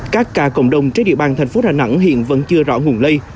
các ca cộng đồng trên địa bàn thành phố đà nẵng hiện vẫn chưa rõ nguồn lây